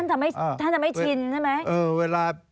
ท่านจะไม่ชินใช่ไหม